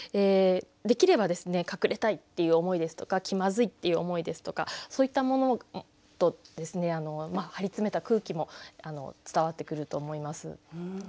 できれば隠れたいっていう思いですとか気まずいっていう思いですとかそういったものと張り詰めた空気も伝わってくると思います。